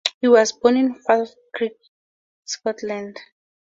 He was born in Falkirk, Scotland.